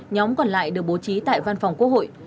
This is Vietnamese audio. nhóm còn lại được bố trí tại văn phòng quốc hội